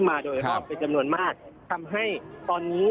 มาโดยรอบเป็นจำนวนมากทำให้ตอนนี้